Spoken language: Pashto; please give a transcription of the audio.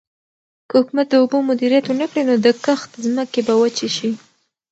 که حکومت د اوبو مدیریت ونکړي نو د کښت ځمکې به وچې شي.